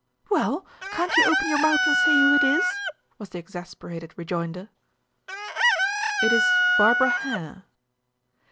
"Well, can't you open your mouth and say who it is?" was the exasperated rejoinder. "It is Barbara Hare."